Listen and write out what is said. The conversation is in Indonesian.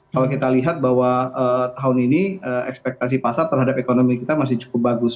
kalau kita lihat bahwa tahun ini ekspektasi pasar terhadap ekonomi kita masih cukup bagus